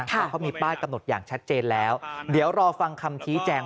เพราะเขามีป้ายกำหนดอย่างชัดเจนแล้วเดี๋ยวรอฟังคำชี้แจง